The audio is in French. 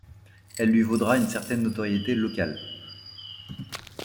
Elle lui vaudra une certaine notoriété locale.